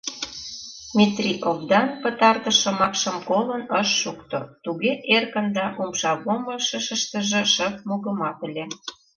Метрий овдан пытартыш шомакшым колын ыш шукто — туге эркын да умшавомышыштыжо шып мугыматыле.